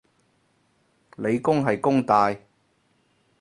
理工係弓大